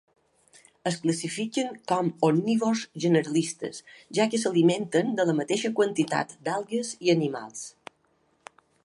Es classifiquen com omnívors generalistes, ja que s'alimenten de la mateixa quantitat d'algues i animals.